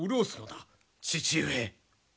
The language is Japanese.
父上！